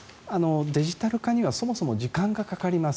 デジタル化にはそもそも時間がかかります。